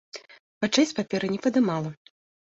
Вачэй з паперы не падымала.